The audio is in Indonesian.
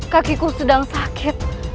kakiku sedang sakit